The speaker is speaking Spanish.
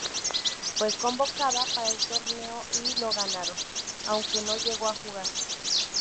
Fue convocada para el torneo y lo ganaron, aunque no llegó a jugar.